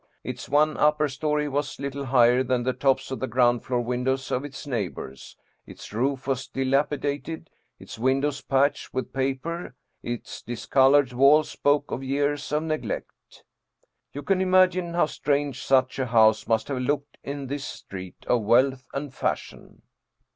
Its one upper story was little higher than the tops of the ground floor windows of its neighbors, its roof was dilapidated, its windows patched with paper, its discolored walls spoke of years of neglect. You can imagine how strange such a house must have looked in this street of wealth and fashion.